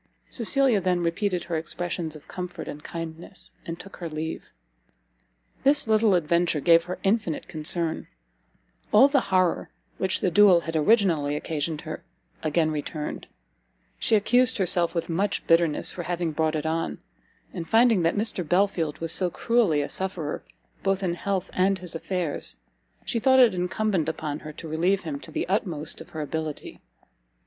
Cecilia then repeated her expressions of comfort and kindness, and took her leave. This little adventure gave her infinite concern; all the horror which the duel had originally occasioned her, again returned; she accused herself with much bitterness for having brought it on; and finding that Mr Belfield was so cruelly a sufferer both in his health and his affairs, she thought it incumbent upon her to relieve him to the utmost of her ability.